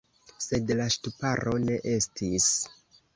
Sed la ŝtuparo ne estis.